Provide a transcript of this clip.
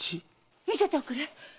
見せておくれ！